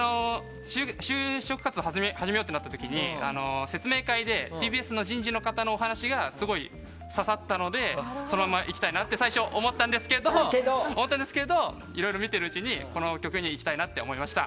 就職活動を始めようってなった時に説明会でＴＢＳの人事の方のお話がすごい刺さったのでそのまま行きたいなって最初思ったんですけどいろいろ見ているうちにこの局に行きたいなって思いました。